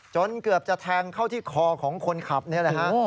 จนเกือบจะแทงเข้าที่คอของคนขับนี่แหละฮะ